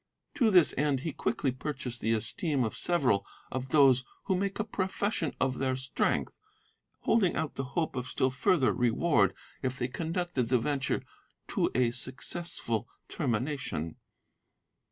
To this end he quickly purchased the esteem of several of those who make a profession of their strength, holding out the hope of still further reward if they conducted the venture to a successful termination.